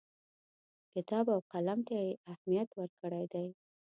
کتاب او قلم ته یې اهمیت ورکړی دی.